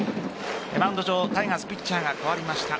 マウンド上、タイガースピッチャーが代わりました。